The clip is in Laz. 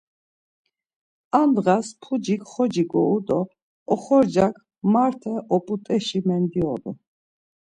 Ar ndğas pucik xoci goru do oxorcak marte oput̆eşi mendionu.